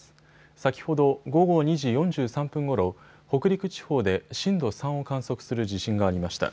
先ほど午後２時４３分ごろ北陸地方で震度３を観測する地震がありました。